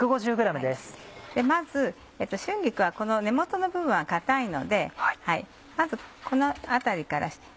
まず春菊はこの根元の部分は硬いのでまずこの辺りから。